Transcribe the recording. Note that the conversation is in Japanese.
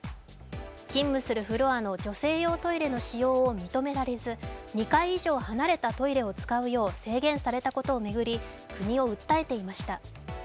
勤務するフロアの女性用トイレの使用を認められず２階以上離れたトイレを使うよう制限されたことを巡り国を訴えていました。